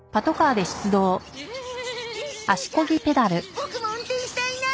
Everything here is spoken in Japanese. ボクも運転したいな。